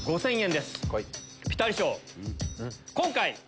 今回。